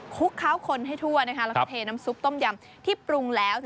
ลุกเคล้าคนให้ทั่วแล้วก็เทน้ำซุปต้มยำที่ปรุงแล้ว